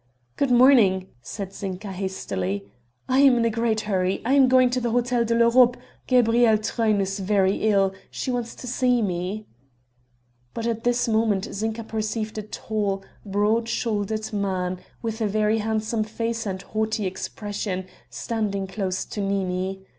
"Good morning," said Zinka hastily, "I am in a great hurry I am going to the Hotel de l'Europe; Gabrielle Truyn is very ill she wants to see me." But at this moment Zinka perceived a tall, broad shouldered man, with a very handsome face and haughty expression, standing close to Nini.